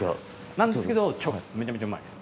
なんですけど超めちゃめちゃ美味いです。